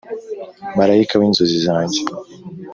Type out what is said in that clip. marayika w ' inzozi zanjye,